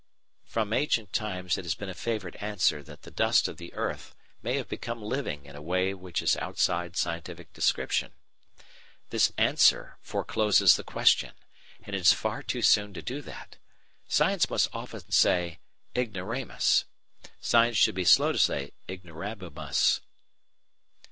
] From ancient times it has been a favourite answer that the dust of the earth may have become living in a way which is outside scientific description. This answer forecloses the question, and it is far too soon to do that. Science must often say "Ignoramus": Science should be slow to say "Ignorabimus."